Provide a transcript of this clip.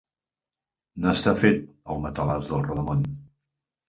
N'està fet el matalàs del rodamón.